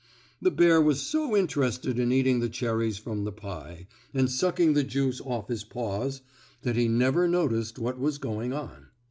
The bear was so interested in eating the cherries from the pie, and sucking the juice off his paws, that he never noticed what was going on.